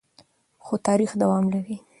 خو تاریخ دوام لري.